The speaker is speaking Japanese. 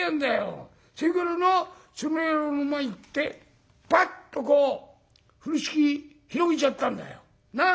それからなその野郎の前行ってバッとこう風呂敷広げちゃったんだよ。なあ？